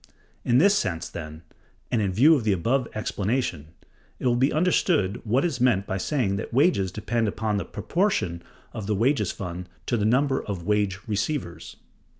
In this sense, then, and in view of the above explanation, it will be understood what is meant by saying that wages depend upon the proportion of the wages fund to the number of the wage receivers.